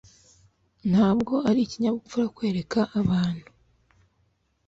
ntabwo ari ikinyabupfura kwereka abantu